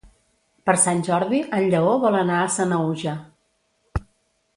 Per Sant Jordi en Lleó vol anar a Sanaüja.